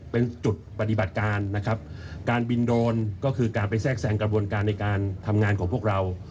เป็นจุดปฏิบัติการนะครับการบินโดรนก็คือการไปแทรกแซงกระบวนการในการทำงานของพวกเรา